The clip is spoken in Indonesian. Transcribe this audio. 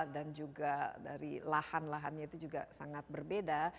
dan juga dari lahan lahannya itu juga sangat berbeda